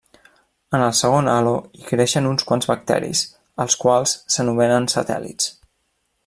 En el segon halo hi creixen uns quants bacteris, els quals s'anomenen satèl·lits.